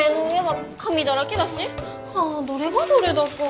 はぁどれがどれだか。